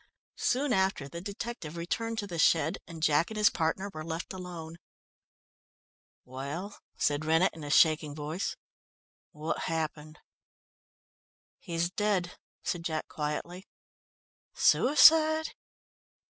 Soon after the detective returned to the shed, and Jack and his partner were left alone. "Well?" said Rennett, in a shaking voice, "what happened?" "He's dead," said Jack quietly. "Suicide?"